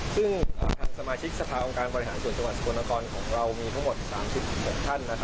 ซึ่งทางสมาชิกสภาองค์การบริหารส่วนจังหวัดสกลนครของเรามีทั้งหมด๓๖ท่าน